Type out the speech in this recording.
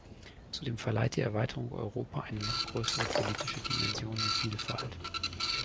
Zudem verleiht die Erweiterung Europa eine noch größere politische Dimension und Vielfalt.